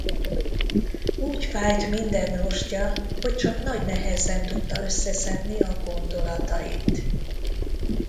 Úgy fájt minden rostja, hogy csak nagy nehezen tudta összeszedni a gondolatait.